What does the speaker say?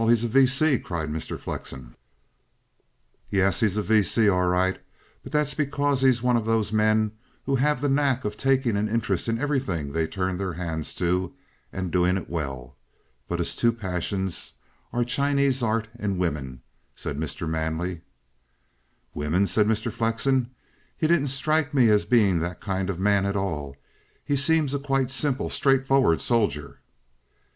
he's a V. C.!" cried Mr. Flexen. "Yes, he's a V. C. all right. But that's because he's one of those men who have the knack of taking an interest in everything they turn their hands to, and doing it well. But his two passions are Chinese art and women," said Mr. Manley. "Women?" said Mr. Flexen. "He didn't strike me as being that kind of man at all. He seemed a quite simple, straightforward soldier."